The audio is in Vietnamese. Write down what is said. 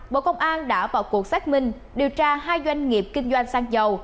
bộ công an đã vào cuộc xác minh điều tra hai doanh nghiệp kinh doanh xăng dầu